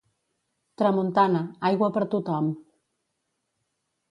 Tramuntana, aigua per tothom.